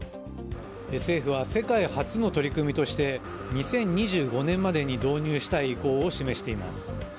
政府は、世界初の取り組みとして２０２５年までに導入したい意向を示しています。